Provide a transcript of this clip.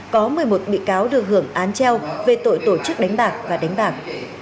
có một mươi một bị cáo được hưởng án treo về tội tổ chức đánh bạc và đánh bạc